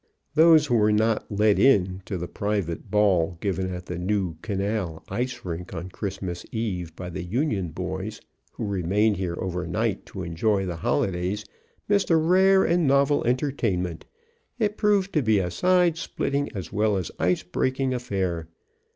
"Those who were not 'let in' to the private ball given at the new Canal Ice Rink on Christmas Eve by the Union boys who remained here over night to enjoy the Holidays, missed a rare and novel entertainment. It proved to be a side splitting as well as an ice breaking affair.